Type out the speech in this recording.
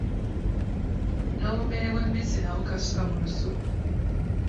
N’obumere bw’emmese n’abukasuka mu lusuku.